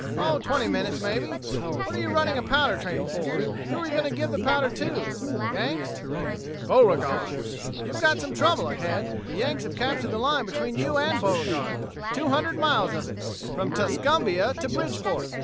"Oh, twenty minutes, maybe. What are you running a powder train for? Who are you going to give the powder to? The Yanks?" "To Beauregard!" "You've got some trouble ahead. The Yanks have captured the line between you and Beauregard two hundred miles of it from Tuscumbia to Bridgeport!"